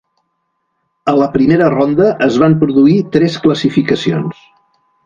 A la primera ronda, es van produir tres classificacions.